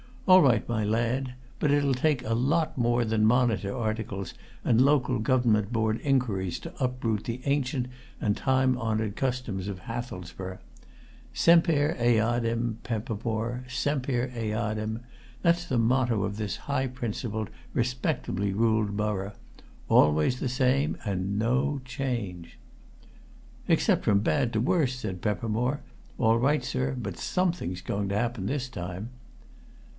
"All right, my lad! But it'll take a lot more than Monitor articles and Local Government Board inquiries to uproot the ancient and time honoured customs of Hathelsborough. Semper eadem, Peppermore, semper eadem, that's the motto of this high principled, respectably ruled borough. Always the same and no change." "Except from bad to worse!" said Peppermore. "All right, sir; but something's going to happen, this time."